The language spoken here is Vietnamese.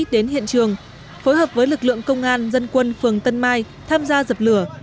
điện trường phối hợp với lực lượng công an dân quân phường tân mai tham gia dập lửa